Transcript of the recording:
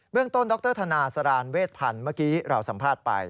เรื่องต้นดรธนาสรานเวชพันธ์เมื่อกี้เราสัมภาษณ์ไป